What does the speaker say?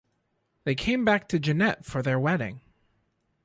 They came back to Jeannette for their wedding.